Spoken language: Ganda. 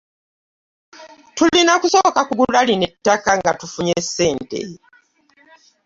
Tulina kusooka kugula lino ttaka nga tufunye ssente.